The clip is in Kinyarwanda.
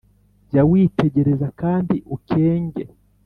Jya witegereza kandi ukenge,